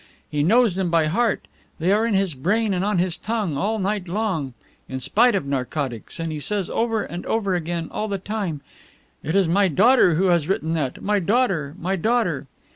He knows them by heart, they are in his brain and on his tongue all night long, in spite of narcotics, and he says over and over again all the time, 'It is my daughter who has written that! my daughter! my daughter!